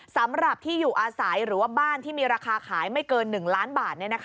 สำหรับที่อยู่อาศัยหรือว่าบ้านที่มีราคาขายไม่เกิน๑ล้านบาท